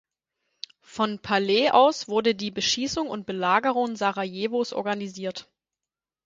Von Pale aus wurde die Beschießung und Belagerung Sarajevos organisiert.